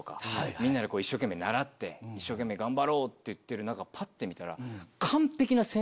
みんなで一生懸命習って頑張ろう！って言ってる中ぱって見たら。